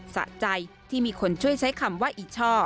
สะใจที่มีคนช่วยใช้คำว่าอีช่อ